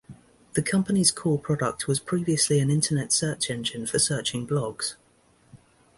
The company's core product was previously an Internet search engine for searching blogs.